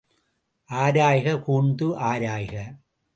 ஆராய்க கூர்ந்து ஆராய்க!